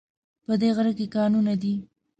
په دی غره کې کانونه دي